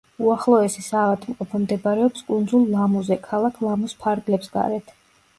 უახლოესი საავადმყოფო მდებარეობს კუნძულ ლამუზე, ქალაქ ლამუს ფარგლებს გარეთ.